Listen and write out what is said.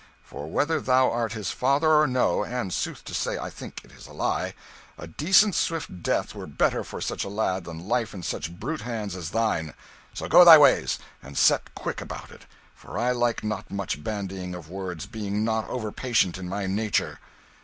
for whether thou art his father or no and sooth to say, I think it is a lie a decent swift death were better for such a lad than life in such brute hands as thine. So go thy ways, and set quick about it, for I like not much bandying of words, being not over patient in my nature."